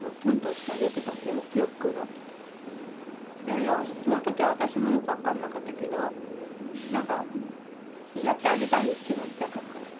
いやその時は私もよく分かんなかったけどなんかやってあげたい気持ちだったのかな。